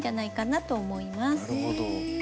なるほど。